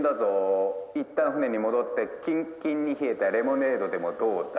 いったん船に戻ってキンキンに冷えたレモネードでもどうだ？」。